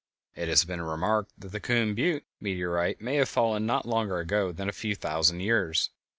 It has been remarked that the Coon Butte meteorite may have fallen not longer ago than a few thousand years.